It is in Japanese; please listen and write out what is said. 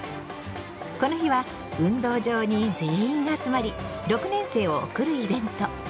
この日は運動場に全員が集まり６年生を送るイベント。